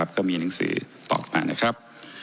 ก็มีหนังสือตอบมานะครับ